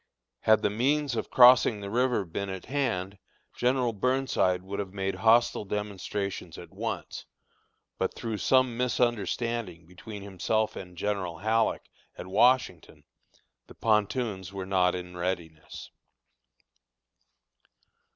Had the means of crossing the river been at hand, General Burnside would have made hostile demonstrations at once; but through some misunderstanding between himself and General Halleck, at Washington, the pontoons were not in readiness.